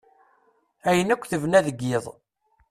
Ayen akk tebna deg yiḍ.